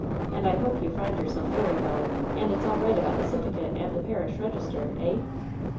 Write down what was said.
And I hope you find yerself very well, and it's all right about the sitifikit and the parish register, eh?"